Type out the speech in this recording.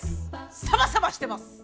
サバサバしてます！